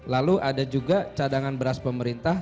lalu ada juga cadangan beras pemerintah